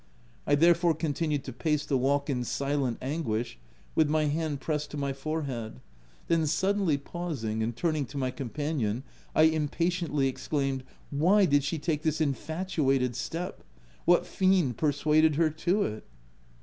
I therefore continued to pace the walk in silent anguish, with my hand pressed to my forehead ; then suddenly pausing and turn ing to my companion, I impatiently exclaimed, iC Why did she take this infatuated step ? What fiend persuaded her to it